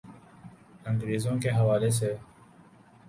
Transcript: انگریزوں کے حوالے سے۔